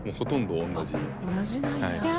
同じなんや。